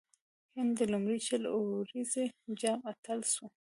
هند د لومړي شل اووريز جام اتل سو.